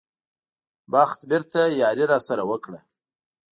بخت بېرته یاري راسره وکړه.